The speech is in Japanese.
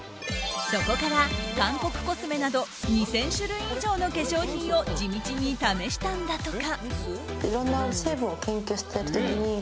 そこから韓国コスメなど２０００種類以上の化粧品を地道に試したんだとか。